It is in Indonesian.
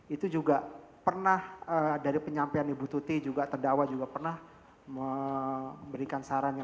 itu juga pernah dari penyampaian ibu tuti juga terdakwa juga pernah memberikan sarannya